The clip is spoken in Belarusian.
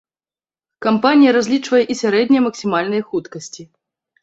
Кампанія разлічвае і сярэднія максімальныя хуткасці.